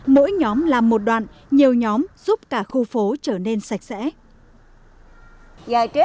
mỗi nhóm làm một đoạn nhiều nhóm giúp cả khu phố trở nên sạch sẽ